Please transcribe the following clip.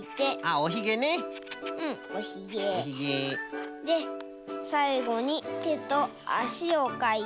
おヒゲ。でさいごにてとあしをかいて。